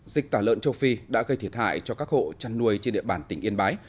dịch tả lợn châu phi đã gây thiệt hại cho các hộ chăn nuôi trên địa bàn tỉnh yên bái